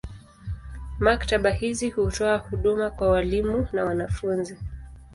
Maktaba hizi hutoa huduma kwa walimu na wanafunzi.